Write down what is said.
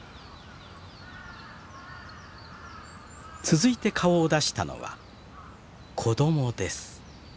続いて顔を出したのは子供です。